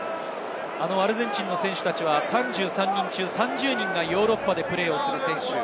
アルゼンチンの選手たちは、３３人中３０人がヨーロッパでプレーする選手です。